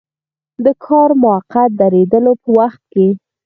د کار د موقت دریدلو په وخت کې.